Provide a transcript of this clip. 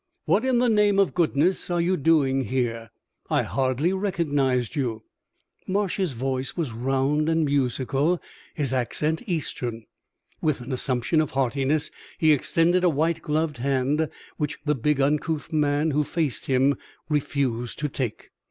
What in the name of goodness are you doing here? I hardly recognized you." Marsh's voice was round and musical, his accent Eastern. With an assumption of heartiness, he extended a white gloved hand, which the big, uncouth man who faced him refused to take.